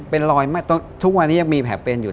เป็นรอยไหมทุกวันนี้ยังมีแผลเป็นอยู่